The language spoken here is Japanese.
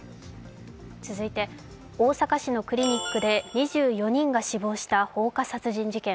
続いて大阪市のクリニックで２４人が死亡した放火殺人事件。